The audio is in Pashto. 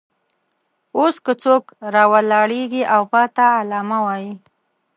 اوس که څوک راولاړېږي او ماته علامه وایي.